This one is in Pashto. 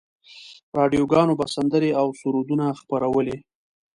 راډیوګانو به سندرې او سرودونه خپرولې.